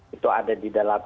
itu ada di dalam